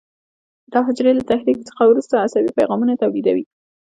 دا حجرې له تحریک څخه وروسته عصبي پیغامونه تولیدوي.